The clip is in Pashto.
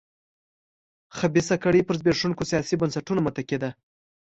خبیثه کړۍ پر زبېښونکو سیاسي بنسټونو متکي ده.